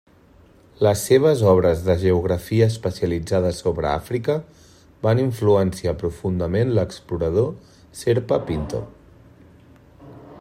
Les seves obres de geografia especialitzades sobre Àfrica van influenciar profundament l'explorador Serpa Pinto.